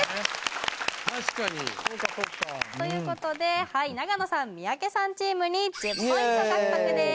確かにそっかそっかということではい長野さん三宅さんチームに１０ポイント獲得です